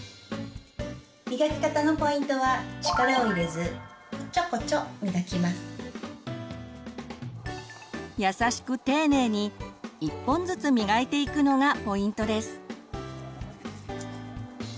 磨き方のポイントは優しく丁寧に１本ずつ磨いていくのがポイントです。